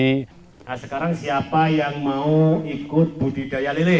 nah sekarang siapa yang mau ikut budidaya lele